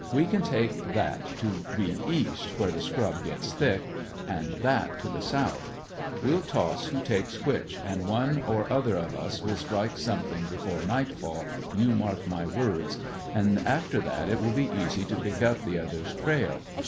We can take that to be east, where the scrub gets thick, and that to be south. We'll toss who takes which, and one or other of us will strike something before nightfall, you mark my words; and after that it will be easy to pick up the other's trail.